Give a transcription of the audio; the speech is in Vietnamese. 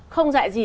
không dạy gì